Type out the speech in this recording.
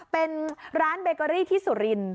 เป็นร้านเบเกอรี่ที่สุรินท